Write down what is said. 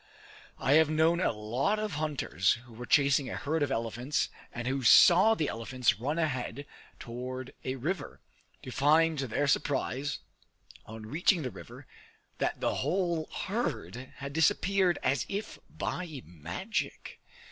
I have known of lots of hunters, who were chasing a herd of elephants and who saw the elephants run ahead toward a river, to find to their surprise, on reaching the river, that the whole herd had disappeared as if by magic.